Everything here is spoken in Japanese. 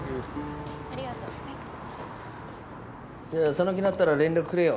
その気になったら連絡くれよ。